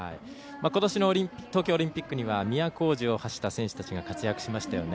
ことしの東京オリンピックには都大路を走った選手たちが活躍しましたよね。